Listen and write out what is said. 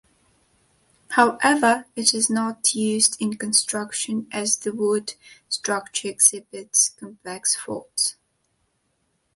However, it is not used in construction as the wood structure exhibits complex faults.